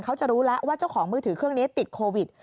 เขาจะรู้แล้วว่าเจ้าของมือถือเครื่องนี้ติดโควิด